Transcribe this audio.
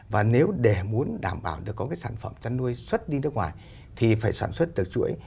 và nếu để muốn đảm bảo được có cái sản phẩm chăn nuôi xuất đi nước ngoài thì phải sản xuất được chuỗi